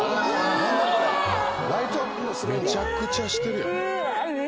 めちゃくちゃしてるやん。